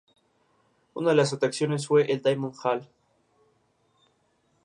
Una de las atracciones fue el Diamond Hall.